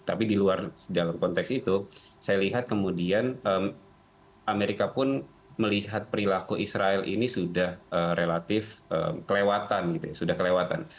tapi di luar dalam konteks itu saya lihat kemudian amerika pun melihat perilaku israel ini sudah relatif kelewatan